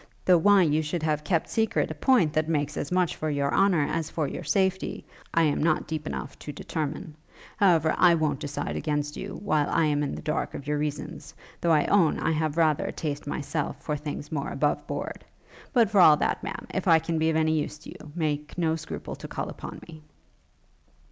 though why you should have kept secret a point that makes as much for your honour as for your safety, I am not deep enough to determine. However, I won't decide against you, while I am in the dark of your reasons; though I own I have rather a taste myself for things more above board. But for all that, Ma'am, if I can be of any use to you, make no scruple to call upon me.'